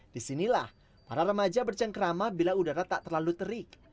disinilah para remaja bercengkrama bila udara tak terlalu terik